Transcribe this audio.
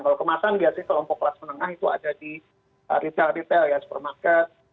kalau kemasan biasanya kelompok kelas menengah itu ada di retail retail ya supermarket